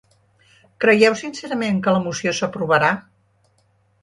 Creieu sincerament que la moció s’aprovarà?